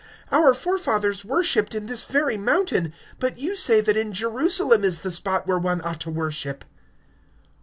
(20)Our fathers worshiped in this mountain; and ye say, that in Jerusalem is the place where men ought to worship.